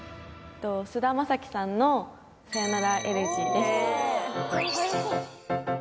菅田将暉さんの「さよならエレジー」です